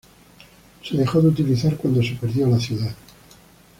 Se dejó de utilizar cuando se perdió la ciudad.